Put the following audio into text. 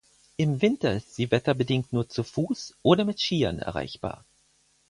Im Winter ist sie wetterbedingt nur zu Fuß oder mit Skiern erreichbar.